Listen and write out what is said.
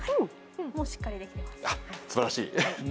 もうしっかりできています。